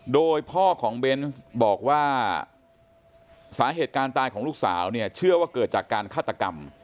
โดยพ่อของเบนส์บอกว่าสาเหตุการณ์ตายของลูกสาวเนี่ยเชื่อว่าเกิดจากการฆาตกรรม